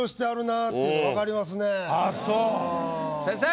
先生！